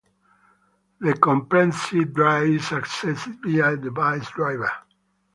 The compressed drive is accessed via a device driver.